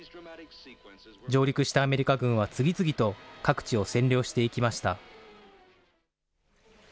上陸したアメリカ軍は次々と、各地を占領していきました。